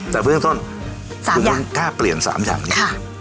แต่เพราะฉะนั้นคุณมันกล้าเปลี่ยน๓อย่างนี้